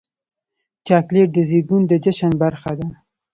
چاکلېټ د زیږون د جشن برخه ده.